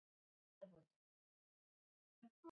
نەخێر بێمە گیاڕەنگی ڕووبەڕووی دیواڵانە